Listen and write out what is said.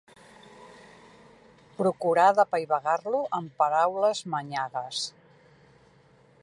Procurà d'apaivagar-lo amb paraules manyagues.